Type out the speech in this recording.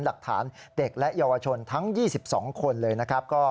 หลักฐานเด็กและเยาวชนทั้ง๒๒คนเลยนะครับ